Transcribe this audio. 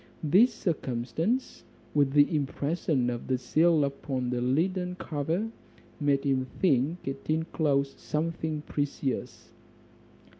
This circumstance, with the impression of the seal upon the leaden cover, made him think it inclosed something precious.